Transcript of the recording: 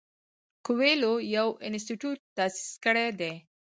کویلیو یو انسټیټیوټ تاسیس کړی دی.